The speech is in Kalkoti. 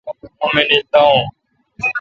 مہ منیل داوان